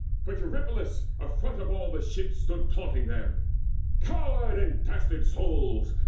But Eurypylus Afront of all the ships stood, taunting them: "Coward and dastard souls!